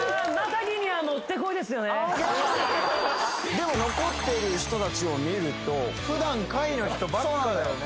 でも残っている人たちを見ると普段下位の人ばっかだよね